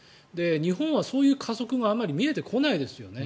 日本はそういう加速があまり見えてこないですよね。